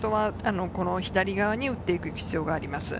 左側に打っていく必要があります。